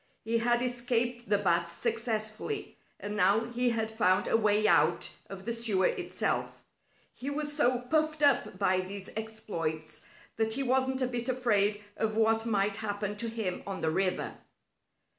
He had escaped the bats successfully, and now he had found a way out of the sewer itself. He was so puffed up by these exploits that he wasn't a bit afraid of what might happen to him on the river.